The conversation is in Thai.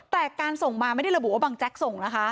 แต่การส่งมาไม่ได้ระบุว่าบังแจ๊กส่งนะคะ